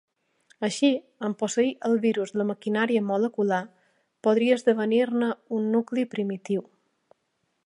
Així, en posseir el virus la maquinària molecular, podria esdevenir-ne un nucli primitiu.